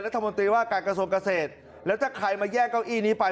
รัฐมนตรีว่าการกระทรวงเกษตรแล้วถ้าใครมาแยกเก้าอี้นี้ไป